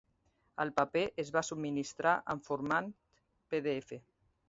El paper es va subministrar en format pdf.